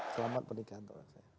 selamat pernikahan tuhan saya